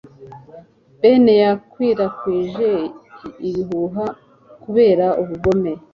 Ben yakwirakwije ibihuha kubera ubugome.